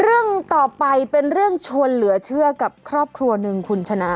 เรื่องต่อไปเป็นเรื่องชวนเหลือเชื่อกับครอบครัวหนึ่งคุณชนะ